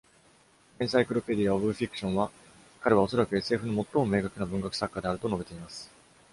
「エンサイクロペディアオブフィクション」は、「彼はおそらく SF の最も明確な文学作家である」と述べています。